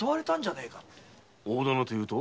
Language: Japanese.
大店というと？